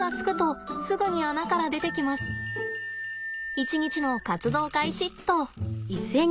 一日の活動開始っと。